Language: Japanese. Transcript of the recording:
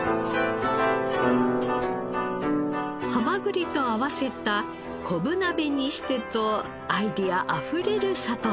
蛤と合わせた昆布鍋にしてとアイデアあふれる佐藤さん。